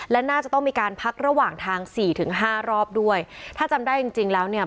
และน่าจะต้องมีการพักระหว่างทางสี่ถึงห้ารอบด้วยถ้าจำได้จริงจริงแล้วเนี่ย